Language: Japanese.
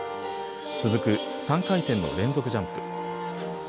続く３回転の連続ジャンプ。